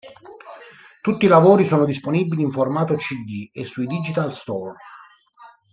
Tutti i lavori sono disponibili in formato cd e sui digital stores.